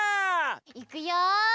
いくよ！